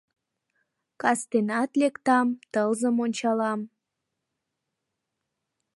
Кастенат лектам, тылзым ончалам: